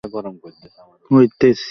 দশ নম্বর অবস্থানে ব্যাটিংয়ে নামতেন।